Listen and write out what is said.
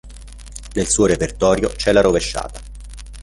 Nel suo repertorio c'è la rovesciata.